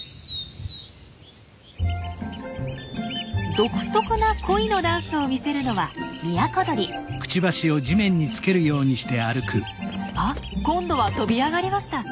独特な恋のダンスを見せるのはあ今度は飛び上がりました。